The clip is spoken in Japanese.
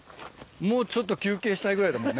もう、ちょっと休憩したいくらいだもんね。